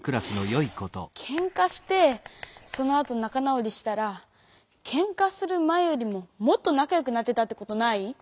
ケンカしてそのあと仲直りしたらケンカする前よりももっと仲よくなってたってことない？